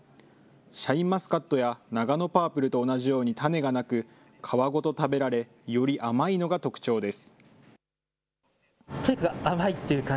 シャインマスカットやナガノパープルと同じように種がなく、皮ごと食べられ、より甘いのが特徴です。